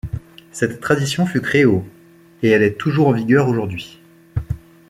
Cette tradition fut créée au et elle est toujours en vigueur aujourd'hui.